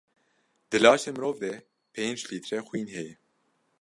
Di laşê mirov de pênc lître xwîn heye.